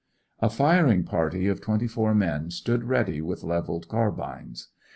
A firing party of twenty four men stood ready with levelled carbines.